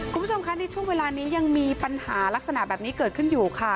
คุณผู้ชมคะในช่วงเวลานี้ยังมีปัญหาลักษณะแบบนี้เกิดขึ้นอยู่ค่ะ